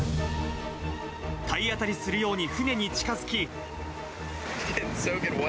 体当たりするように船に近づき。